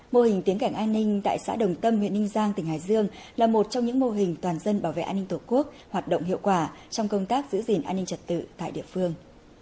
mô hình tiếng cảnh an ninh tại xã đồng tâm huyện ninh giang tỉnh hải dương là một trong những mô hình toàn dân bảo vệ an ninh tổ quốc hoạt động hiệu quả trong công tác giữ gìn an ninh trật tự tại địa phương